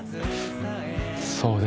そうですね。